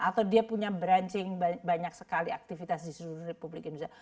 atau dia punya branching banyak sekali aktivitas di seluruh republik indonesia